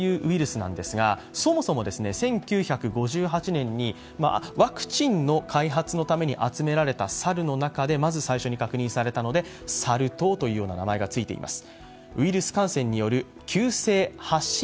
１９５８年にワクチンの開発のために集められたサルの中でまず最初に確認されたのでサル痘という名前が付いています。